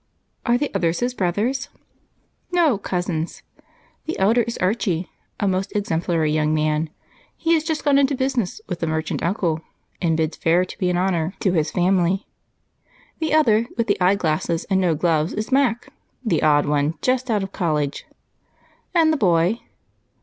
"Are the others his brothers?" "No, cousins. The elder is Archie, a most exemplary young man. He has just gone into business with the merchant uncle and bids fair to be an honor to his family. The other, with the eyeglasses and no gloves, is Mac, the odd one, just out of college." "And the boy?"